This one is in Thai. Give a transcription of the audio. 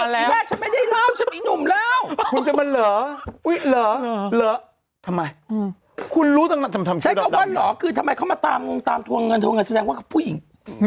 แล้วทำไมคุณรู้ต่างทำไมเขามาตามตามทวงเงินตัวแสดงว่าผู้หญิง